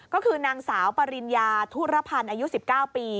ก็คือนางสาวปริญญาธุรพันธ์อายุ๑๙ปี